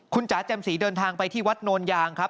คุณจ๋าแจ่มสีเดินทางไปที่วัดโนนยางครับ